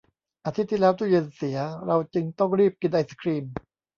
อาทิตย์ที่แล้วตู้เย็นเสีย เราจึงต้องรีบกินไอศกรีม